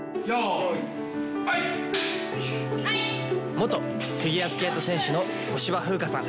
元フィギュアスケート選手の小芝風花さん。